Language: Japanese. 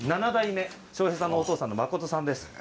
７代目、翔平さんのお父さんの誠さんです。